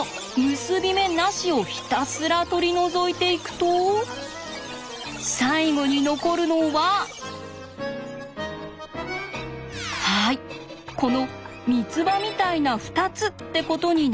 結び目なしをひたすら取り除いていくと最後に残るのははいこの三つ葉みたいな２つってことになるんです。